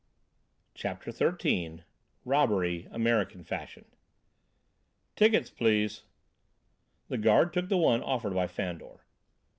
"Fandor." XIII ROBBERY; AMERICAN FASHION "Tickets, please." The guard took the one offered by Fandor.